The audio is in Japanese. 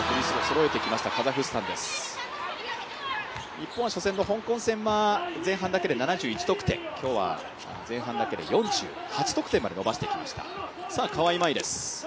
日本は初戦の香港戦は前半だけで７１得点、今日は前半だけで４８得点まで伸ばしてきました。